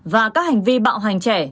và các hành vi bạo hành trẻ